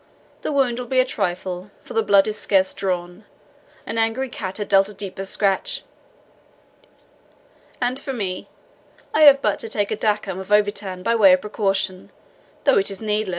"The wound will be a trifle, for the blood is scarce drawn an angry cat had dealt a deeper scratch. And for me, I have but to take a drachm of orvietan by way of precaution, though it is needless."